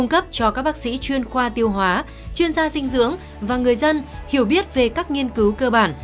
cấp cho các bác sĩ chuyên khoa tiêu hóa chuyên gia dinh dưỡng và người dân hiểu biết về các nghiên cứu cơ bản